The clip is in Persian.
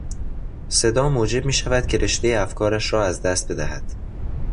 صدا موجب میشود که رشتهی افکارش را از دست بدهد.